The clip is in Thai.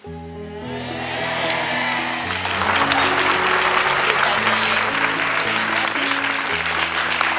เป็นไม่